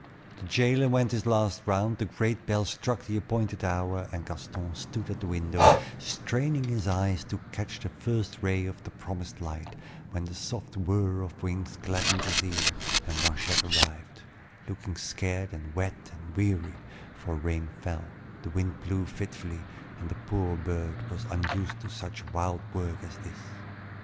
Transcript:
The jailer went his last round, the great bell struck the appointed hour, and Gaston stood at the window, straining his eyes to catch the first ray of the promised light, when the soft whir of wings gladdened his ear, and Blanchette arrived, looking scared and wet and weary, for rain fell, the wind blew fitfully, and the poor bird was unused to such wild work as this.